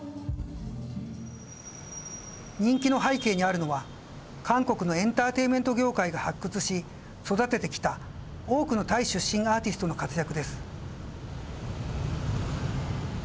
人気の背景にあるのは韓国のエンターテインメント業界が発掘し育ててきた多くのタイ出身アーティストの活躍です。